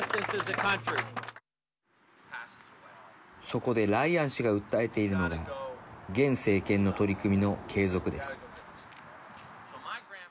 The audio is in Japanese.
そこでライアン氏が訴えているのが現政権の取り組みの継続です。